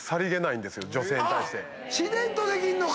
自然とできんのか！